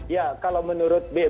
ya kalau menurut saya